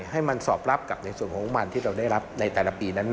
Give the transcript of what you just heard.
ให้มันสอบรับกับในส่วนของมันที่เราได้รับในแต่ละปีนั้น